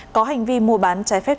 có hành vi mua bán trái phép